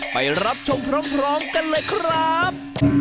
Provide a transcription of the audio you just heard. ไปรับชมพร้อมกันเลยครับ